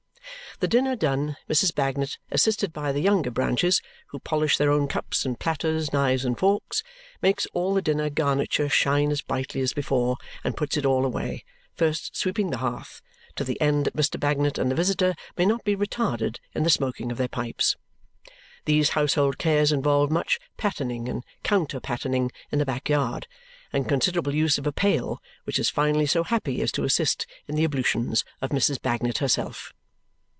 The dinner done, Mrs. Bagnet, assisted by the younger branches (who polish their own cups and platters, knives and forks), makes all the dinner garniture shine as brightly as before and puts it all away, first sweeping the hearth, to the end that Mr. Bagnet and the visitor may not be retarded in the smoking of their pipes. These household cares involve much pattening and counter pattening in the backyard and considerable use of a pail, which is finally so happy as to assist in the ablutions of Mrs. Bagnet herself.